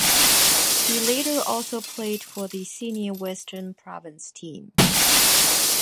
He later also played for the senior Western Province team.